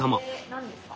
何ですか？